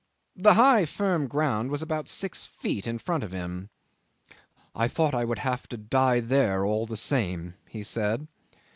The higher firm ground was about six feet in front of him. "I thought I would have to die there all the same," he said.